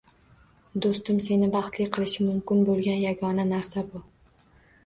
Do‘stim, seni baxtli qilishi mumkin bo‘lgan yagona narsa bu